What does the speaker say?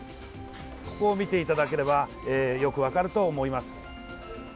ここを見ていただければよく分かると思います。